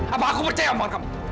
apa aku percaya sama kamu